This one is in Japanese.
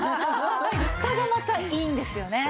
ふたがまたいいんですよね。